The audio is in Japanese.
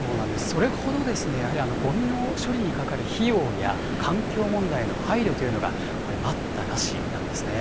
それほど、やはりごみの処理にかかる費用や、環境問題への配慮というのが、これ、待ったなしなんですね。